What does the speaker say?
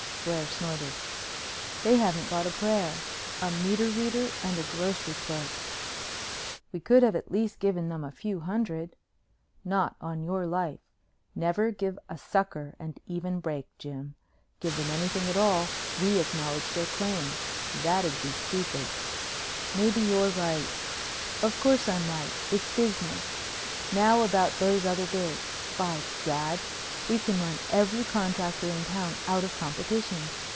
Blair snorted. "They haven't got a prayer. A meter reader and a grocery clerk!" "We could have at least given them a few hundred." "Not on your life. Never give a sucker an even break, Jim. Give them anything at all, we acknowledge their claim. That'd be stupid." "Maybe you're right." "Of course I'm right. It's business. Now about those other bids. By gad! We can run every contractor in town out of competition!